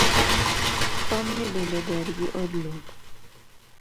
Komni bende ber gi od lum?